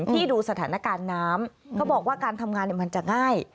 ที่ดูสถานการณ์น้ำเขาบอกว่าการทำงานมันจะง่าย